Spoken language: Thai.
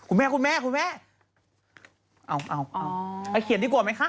อัลเรคกับอเล็กซ์นะคะ